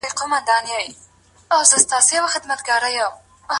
زه لا هم په دغو پاتې شېبو کې د ژوند لټون کوم.